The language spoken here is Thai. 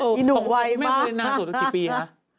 นี่หนูไวมากนานสุดกี่ปีคะ